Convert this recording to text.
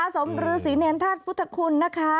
สมฤษิเนียนทาสพุทธคุณนะคะ